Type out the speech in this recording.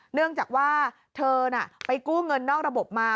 เนื่องจากว่าเธอน่ะไปกู้เงินนอกระบบมา